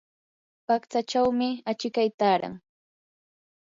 paqchachawmi achikay taaran.